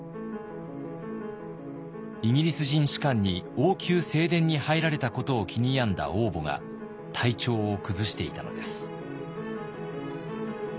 イギリス人士官に王宮正殿に入られたことを気に病んだ王母が体調を崩していたのです。